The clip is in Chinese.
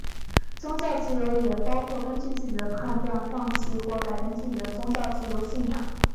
宗教自由也包括根据自己的判断放弃或改变自己的宗教信仰的自由。